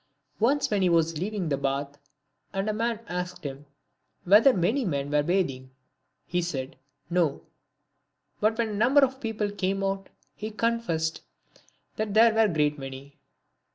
Once, when he was leaving the bath, and a man asked him whether many men were bathing, he said, " No ;" but when a number of people came out, he confessed that there were a great many.